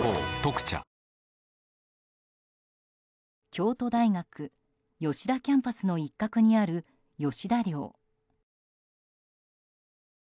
京都大学吉田キャンパスの一角にある吉田寮。